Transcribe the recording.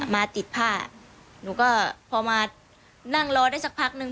มาติดผ้าหนูก็พอมานั่งรอได้สักพักนึง